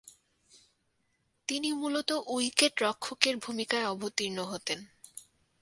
তিনি মূলতঃ উইকেট-রক্ষকের ভূমিকায় অবতীর্ণ হতেন।